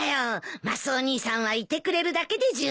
マスオ兄さんはいてくれるだけで十分だったんだ。